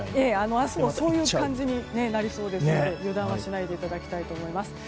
明日もそういう感じになりそうなので油断はしないでいただきたいと思います。